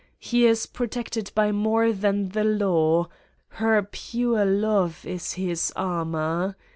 He is protected by more than the law her pure love is his armor.